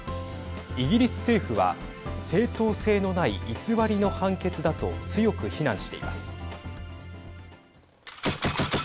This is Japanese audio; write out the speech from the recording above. イギリス政府は正当性のない偽りの判決だと強く非難しています。